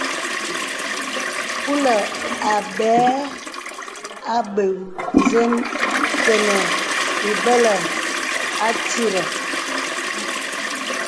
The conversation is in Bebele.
Kūlə̀ a bə̀ a bə̀ zə̄ə̄ tenə̀ ìbɛlə̀ àtirə̀.